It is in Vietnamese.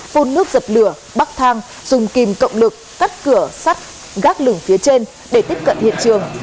phun nước dập lửa bắc thang dùng kim cộng lực cắt cửa sắt gác lửng phía trên để tiếp cận hiện trường